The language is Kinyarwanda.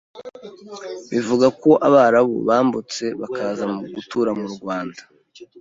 bivugwa ko Abarabu bambutse bakaza gutura mu Rwanda,